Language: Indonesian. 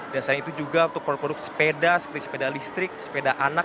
dan selain itu juga untuk produk produk sepeda seperti sepeda listrik sepeda anak